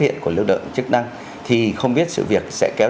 hiện của lực lượng chức năng thì không biết sự việc sẽ kéo